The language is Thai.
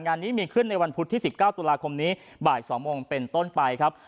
งานนี้มีขึ้นในวันพุธที่๑๙ตุลาคมนี้บ่าย๒โมงเป็นต้นไปครับ